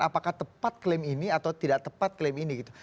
apakah tepat klaim ini atau tidak tepat klaim ini gitu